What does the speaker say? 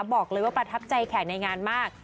บอกว่าประทับใจแขกในงานมาก